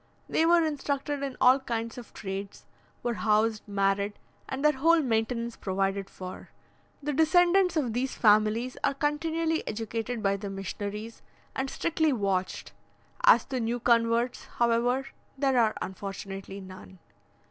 They were instructed in all kinds of trades, were housed, married, and their whole maintenance provided for. The descendants of these families are continually educated by the missionaries, and strictly watched: as to new converts, however, there are unfortunately none.